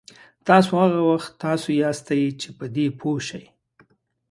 تاسو هغه وخت تاسو یاستئ چې په دې پوه شئ.